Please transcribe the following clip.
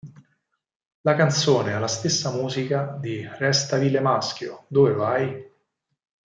La canzone ha la stessa musica di "Resta vile maschio, dove vai?